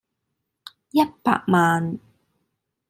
一百萬